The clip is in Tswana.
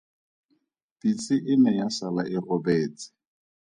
Pitse e ne ya sala e gobetse.